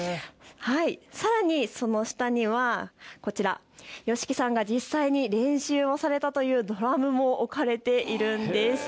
さらにその下にはＹＯＳＨＩＫＩさんが実際に練習をされたというドラムも置かれているんです。